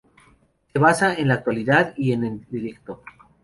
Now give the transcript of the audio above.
Se basa en la actualidad y en el directo.